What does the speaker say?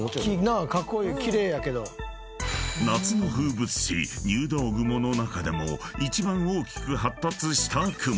［夏の風物詩入道雲の中でも一番大きく発達した雲］